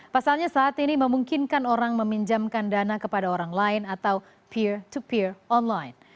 pasalnya saat ini memungkinkan orang meminjamkan dana kepada orang lain atau peer to peer online